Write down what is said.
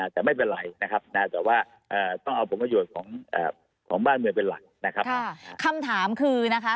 แต่ไม่เป็นไรนะครับแต่ว่าต้องเอาผลประโยชน์ของบ้านเมืองเป็นหลักนะครับคำถามคือนะคะ